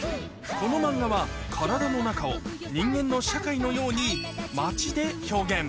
この漫画は体の中を人間の社会のように街で表現